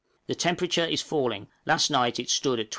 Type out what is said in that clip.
The temperature is falling; last night it stood at 24°.